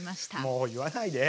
もう言わないで。